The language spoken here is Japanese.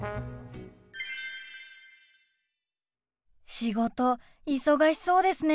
仕事忙しそうですね。